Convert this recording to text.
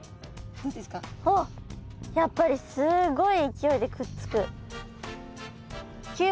やっぱりすごい勢いでくっつく。